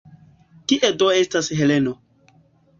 Kie do estas Heleno?